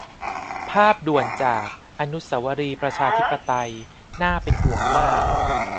ภาพด่วนจาก อนุเสาวรีย์ประชาธิปไตย น่าเป็นห่วงมาก